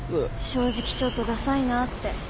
正直ちょっとダサいなって。